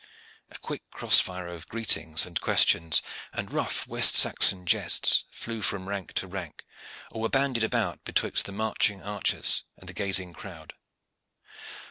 A quick cross fire of greetings and questions and rough West Saxon jests flew from rank to rank, or were bandied about betwixt the marching archers and the gazing crowd.